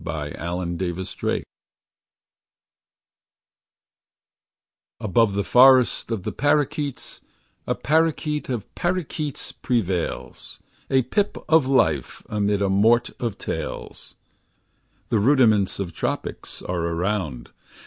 23&e= en 20— 1— txt txIN Above the forest of the parakeets, A parakeet of parakeets prevails, A pip of life amid a mort of tails. (The rudiments of tropics are around.